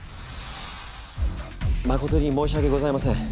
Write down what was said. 誠に申し訳ございません。